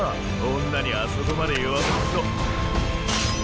女にあそこまで言わせあっ。